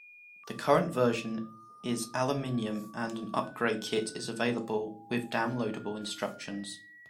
The current version is aluminum and an upgrade kit is available, with downloadable instructions.